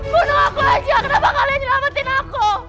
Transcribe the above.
bunuh aku aja kenapa kalian nyelamatin aku